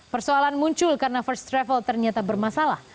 persoalan muncul karena first travel ternyata bermasalah